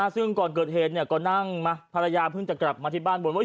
ซึ่งก่อนเกิดเหตุก็นั่งมาภรรยาเพิ่งจะกลับมาที่บ้านบนว่า